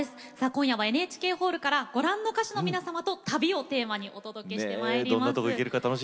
今夜はＮＨＫホールからご覧の歌手の皆様と「旅」をテーマにお届けしてまいります。